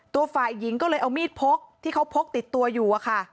ตัวฝ่ายหญิงก็เลยเอามีดพกที่เขาพกติดตัวอยู่อะค่ะ